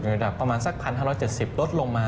อยู่ที่ประมาณสัก๑๕๗๐ลดลงมา